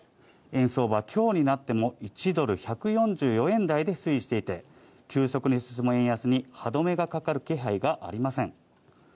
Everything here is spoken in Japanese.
円相場は今日になっても１ドル＝１４４円台で推移していて、急速に進む円安に歯止めがかかる気配がありません。